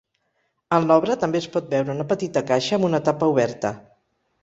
En l'obra també es pot veure una petita caixa amb una tapa oberta.